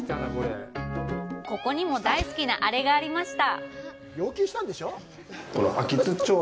ここにも大好きなアレがありました！